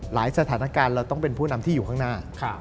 สถานการณ์เราต้องเป็นผู้นำที่อยู่ข้างหน้า